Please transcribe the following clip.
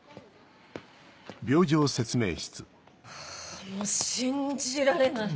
ハァもう信じられない。